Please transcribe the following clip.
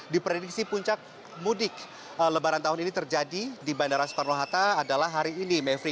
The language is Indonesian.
diprediksi puncak mudik lebaran tahun ini terjadi di bandara soekarno hatta adalah hari ini mevri